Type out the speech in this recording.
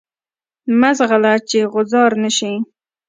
مه ځغله چی غوځار نه شی.